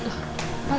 enggak apa apa udah